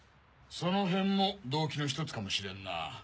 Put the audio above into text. そのへんも動機の１つかもしれんな。